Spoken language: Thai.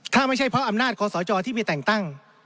ถ้าไม่ใช่เพราะอำนาจคอสจที่มีแต่งตั้ง